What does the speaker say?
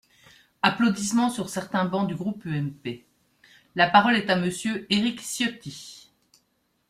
(Applaudissements sur certains bancs du groupe UMP.) La parole est à Monsieur Éric Ciotti.